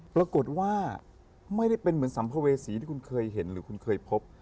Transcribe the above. ปรากฏว่าไม่ได้เป็นเหมือนสัมภเวษีที่คุณเคยเห็นหรือคุณเคยพบ